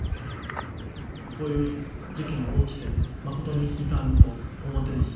こういう事件が起きて、誠に遺憾と思っています。